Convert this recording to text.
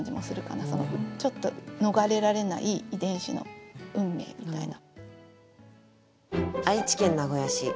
ちょっと逃れられない遺伝子の運命みたいな。